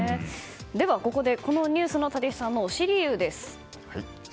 では、ここでこのニュースの立石さんの推し理由です。